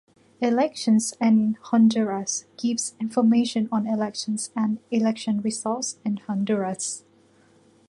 Elections in Honduras gives information on elections and election results in Honduras.